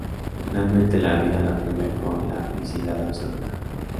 Finalmente la vida la premia con la felicidad absoluta.